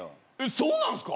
そうなんっすか？